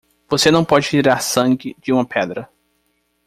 Você não pode tirar sangue de uma pedra.